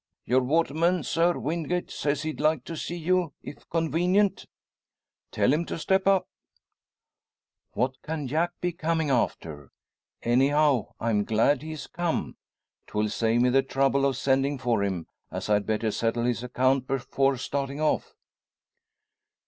"Your waterman, sir, Wingate, says he'd like to see you, if convenient?" "Tell him to step up!" "What can Jack be coming after? Anyhow I'm glad he has come. 'Twill save me the trouble of sending for him; as I'd better settle his account before starting off."